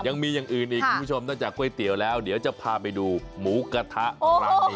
ยังมีอย่างอื่นอีกคุณผู้ชมนอกจากก๋วยเตี๋ยวแล้วเดี๋ยวจะพาไปดูหมูกระทะร้านนี้